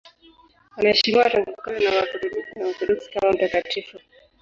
Anaheshimiwa tangu kale na Wakatoliki na Waorthodoksi kama mtakatifu.